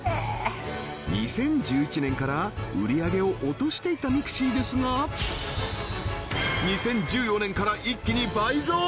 ２０１１年から売上げを落としていたミクシィですが２０１４年から一気に倍増！